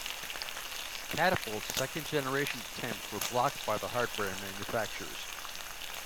Catapult's second generation attempts were blocked by the hardware manufacturers.